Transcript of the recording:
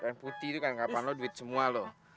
kan putih itu kan kapan lo duit semua lo